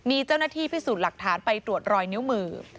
มีเจ้าหน้าที่พิสูจน์หลักฐานไปตรวจรอยนิ้วมือ